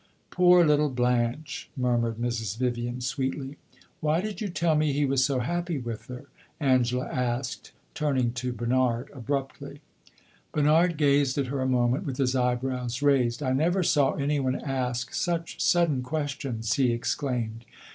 "Poor little Blanche!" murmured Mrs. Vivian, sweetly. "Why did you tell me he was so happy with her?" Angela asked, turning to Bernard, abruptly. Bernard gazed at her a moment, with his eyebrows raised. "I never saw any one ask such sudden questions!" he exclaimed.